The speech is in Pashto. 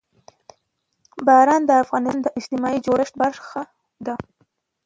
باران د افغانستان د اجتماعي جوړښت برخه ده.